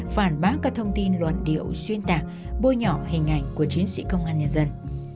phản bác các thông tin luận điệu xuyên tạc bôi nhỏ hình ảnh của chiến sĩ công an nhân dân